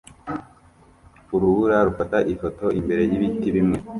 Urubura rufata ifoto imbere yibiti bimwe